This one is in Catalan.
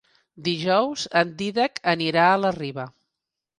Dijous en Dídac anirà a la Riba.